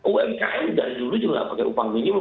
umkm dari dulu juga pakai upah minimum